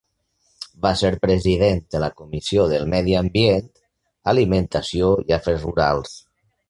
Va ser president de la Comissió de Medi Ambient, Alimentació i Afers Rurals.